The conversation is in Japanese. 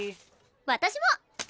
私も。